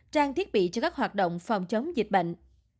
trang thiết bị cho các hoạt động phòng chống dịch bệnh